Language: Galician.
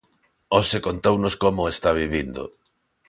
Hoxe contounos como o está vivindo.